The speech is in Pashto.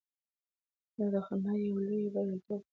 دا خندا د يو لوی برياليتوب او خوښۍ نښه وه.